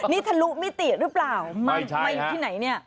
นี่ทะลุมิติหรือเปล่ามาอยู่ที่ไหนเนี่ย